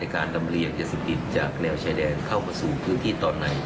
การลำเลียงยาเสพติดจากแนวชายแดนเข้ามาสู่พื้นที่ตอนไหน